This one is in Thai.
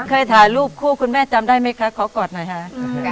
ถ่ายรูปคู่คุณแม่จำได้ไหมคะขอกอดหน่อยค่ะ